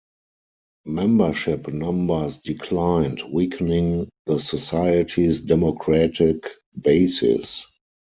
Membership numbers declined, weakening the society's democratic basis.